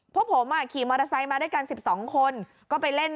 พวกผมขี่มอเตอร์ไซค์มาด้วยกัน๑๒คนก็ไปเล่น